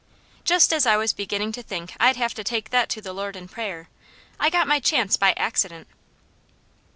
Just as I was beginning to think I'd have to take that to the Lord in prayer, I got my chance by accident.